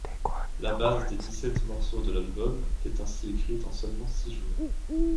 La base des dix-sept morceaux de l'album est ainsi écrite en seulement six jours.